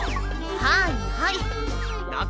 はいはい。